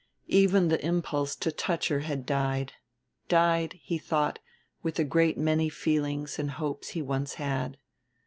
Even the impulse to touch her had died died, he thought, with a great many feelings and hopes he once had.